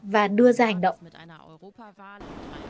và đưa ra hành động